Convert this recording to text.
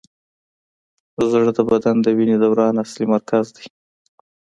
زړه د بدن د وینې دوران اصلي مرکز دی.